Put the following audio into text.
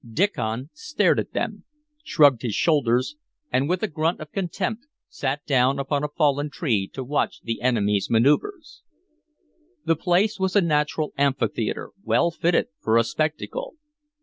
Diccon stared at them, shrugged his shoulders, and with a grunt of contempt sat down upon a fallen tree to watch the enemy's manoeuvres. The place was a natural amphitheatre, well fitted for a spectacle.